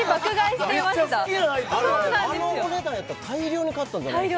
めっちゃ好きやんあいつあのお値段やったら大量に買ったんじゃないですか？